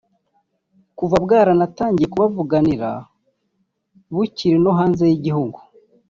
kuva bwaranatangiye kubavuganira bukiri no hanze y’igihugu